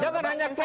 jangan hanya kpm